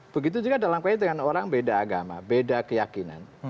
begitu juga dalam kait dengan orang beda agama beda keyakinan